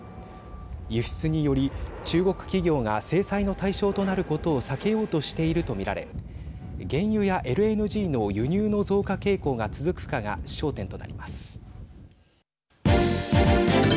輸出により中国企業が制裁の対象となることを避けようとしていると見られ原油やＬＮＧの輸入の増加傾向が続くかが焦点となります。